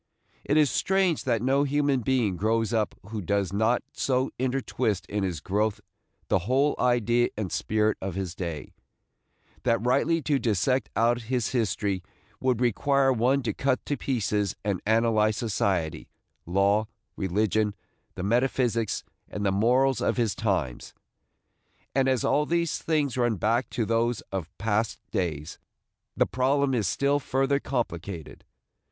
It is strange that no human being grows up who does not so intertwist in his growth the whole idea and spirit of his day, that rightly to dissect out his history would require one to cut to pieces and analyze society, law, religion, the metaphysics and the morals of his times; and, as all these things run back to those of past days, the problem is still further complicated.